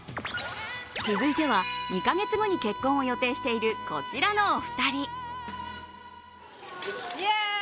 続いては、２か月後に結婚を予定しているこちらのお二人。